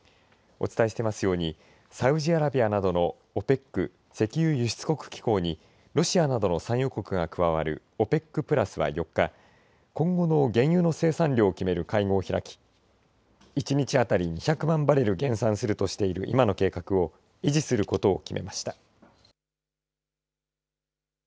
お伝えしていますようにサウジアラビアなどのＯＰＥＣ＝石油輸出国機構にロシアなどの産油国が加わるＯＰＥＣプラスは４日今後の原油の生産量を決める会合を開き１日当たり２００万バレル減産するとしている今の計画を維持することを決めました。